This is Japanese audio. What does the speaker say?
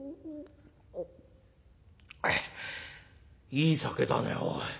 「いい酒だねおい。